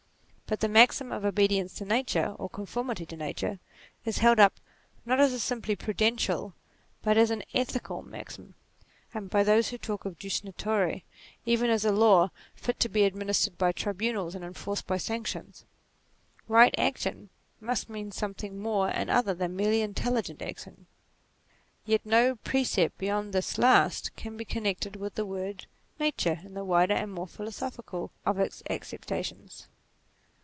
But the maxim of obedience to Nature, or conformity to Nature, is held up not as a simply prudential but as an ethical maxim ; and by those who talk of jus naturce, even as a law, fit NATURE 19 to be administered by tribunals and enforced by sanctions. Eight action, must mean something more and other than merely intelligent action : yet no precept beyond this last, can be connected with the word Nature in the wider and more philosophical of its acceptations.